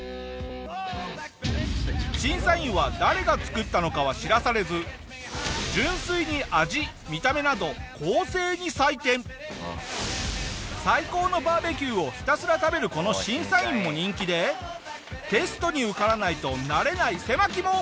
審査員は誰が作ったのかは知らされず純粋に最高のバーベキューをひたすら食べるこの審査員も人気でテストに受からないとなれない狭き門！